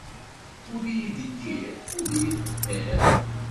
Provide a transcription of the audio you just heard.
Ur ideyyir, ur iṭṭeffiṛ.